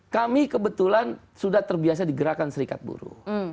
kami kebetulan sudah terbiasa di gerakan serikat buruh